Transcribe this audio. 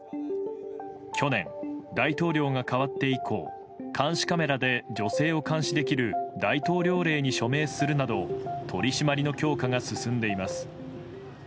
去年、大統領が変わって以降監視カメラで女性を監視できる大統領令に署名するなど取り締まりの強化が進んでいます。